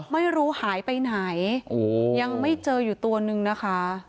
ไม่รู้หายไปไหนยังไม่เจออยู่ตัวนึงนะคะ